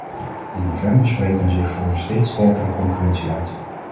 In november spreekt men zich voor een steeds sterkere concurrentie uit.